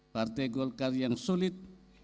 partai golkar yang sulit